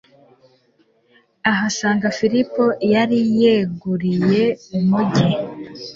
ahasanga filipo yari yeguriye umugi